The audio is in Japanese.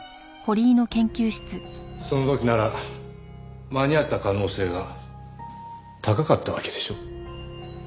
その時なら間に合った可能性が高かったわけでしょう。